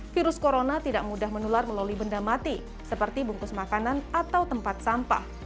virus corona tidak mudah menular melalui benda mati seperti bungkus makanan atau tempat sampah